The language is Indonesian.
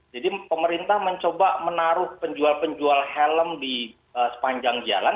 pemerintah mencoba menaruh penjual penjual helm di sepanjang jalan